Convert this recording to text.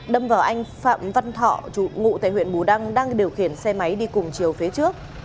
đâm vào anh phạm văn thọ ngụ tại huyện bù đăng đang điều khiển xe máy đi cùng chiều phía trước